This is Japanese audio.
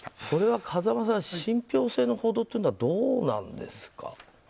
これは風間さん信憑性のほどというのはどうなんですか。